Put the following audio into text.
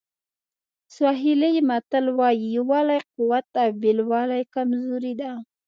سواهیلي متل وایي یووالی قوت او بېلوالی کمزوري ده.